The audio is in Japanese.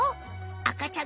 あかちゃん